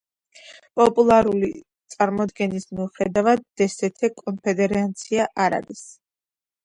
პოპულარული წარმოდგენის მიუხედავად დსთ კონფედერაცია არ არის.